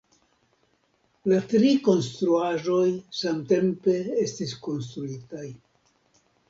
La tri konstruaĵoj samtempe estis konstruitaj.